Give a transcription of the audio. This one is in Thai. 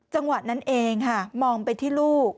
จังหวะนั้นเองค่ะมองไปที่ลูก